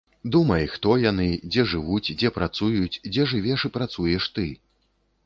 Думай, хто яны, дзе жывуць, дзе працуюць, дзе жывеш і працуеш ты.